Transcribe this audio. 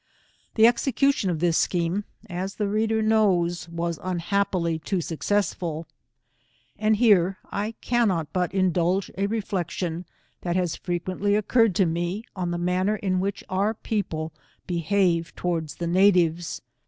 The execution of this scheme, as the reader knows, was unhappily too successful. And here I cannot but indulge a reflection that has frequently occurred to me on the manner in which otfr |ifeople behave towards the natives.